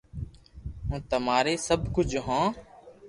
ھون تمارو سب ڪجھ ھون